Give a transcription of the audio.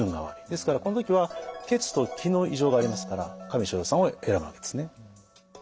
ですからこの時は血と気の異常がありますから加味逍遙散を選ぶわけですね。